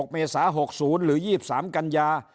เมษา๖๐หรือ๒๓กันยา